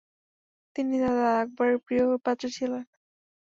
তিনি দাদা আকবরের প্রিয়পাত্র ছিলেন।